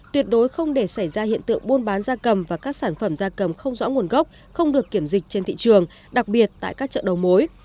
tuyệt đối không để xảy ra hiện tượng buôn bán da cầm và các sản phẩm da cầm không rõ nguồn gốc không được kiểm dịch trên thị trường đặc biệt tại các chợ đầu mối